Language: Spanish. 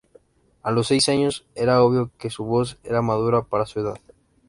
A los seis años, era obvio que su voz era madura para su edad.